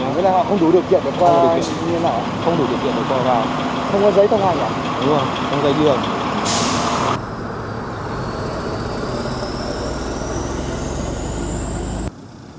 nha dừng tránh nhé